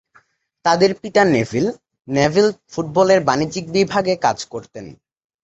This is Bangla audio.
তাদের পিতা নেভিল নেভিল ফুটবলের বাণিজ্যিক বিভাগে কাজ করতেন।